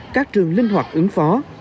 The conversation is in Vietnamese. các trường linh hoạt ứng phó